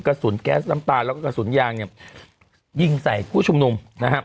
กระสุนแก๊สน้ำตาแล้วก็กระสุนยางเนี่ยยิงใส่ผู้ชุมนุมนะครับ